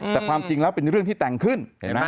แต่ความจริงแล้วเป็นเรื่องที่แต่งขึ้น